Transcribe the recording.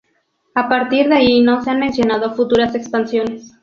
A partir de ahí no se han mencionado futuras expansiones.